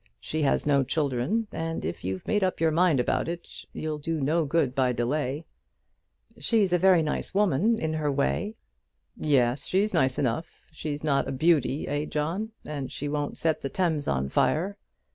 She has no children, and if you've made up your mind about it, you'll do no good by delay." "She's a very nice woman, in her way." "Yes, she's nice enough. She's not a beauty; eh, John? and she won't set the Thames on fire."